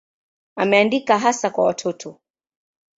Ameandika hasa kwa watoto.